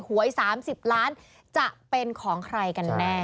หวย๓๐ล้านจะเป็นของใครกันแน่